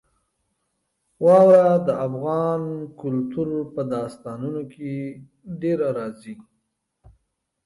واوره د افغان کلتور په داستانونو کې ډېره راځي.